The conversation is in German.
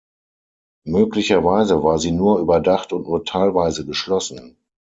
Möglicherweise war sie nur überdacht und nur teilweise geschlossen.